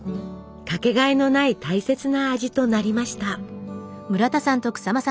掛けがえのない大切な味となりました。